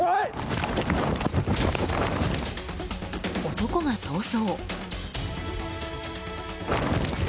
男が逃走。